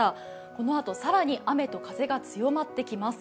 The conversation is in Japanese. このあと、更に雨と風が強まってきます。